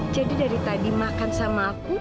jadi dari tadi makan sama aku